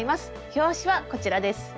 表紙はこちらです。